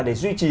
để duy trì